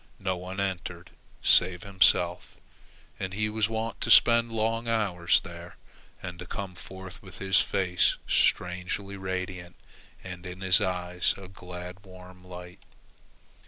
No one entered save himself, and he was wont to spend long hours there, and to come forth with his face strangely radiant and in his eyes a glad, warm light.